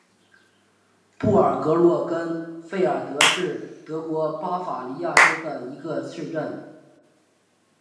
布尔格伦根费尔德是德国巴伐利亚州的一个市镇。